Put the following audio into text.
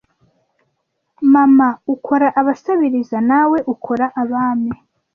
mama ukora abasabiriza nawe ukora abami